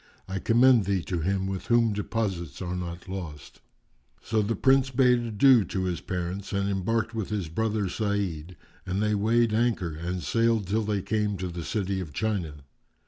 I commend thee to Him with Whom deposits are not lost."[FN#393] So the Prince bade adieu to his parents and embarked, with his brother Sa'id, and they weighed anchor and sailed till they came to the City of China.